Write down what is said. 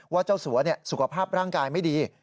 เจ้าสัวสุขภาพร่างกายไม่ดี